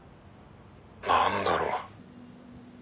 何だろう。